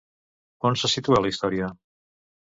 On se situa la història?